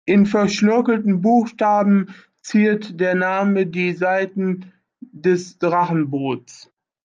In verschnörkelten Buchstaben ziert der Name die Seiten des Drachenboots.